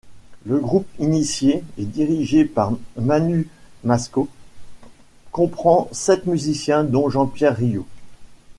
Le groupe initié et dirigé par Manu Masko comprend sept musiciens dont Jean-Pierre Riou.